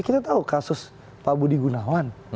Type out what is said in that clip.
kita tahu kasus pak budi gunawan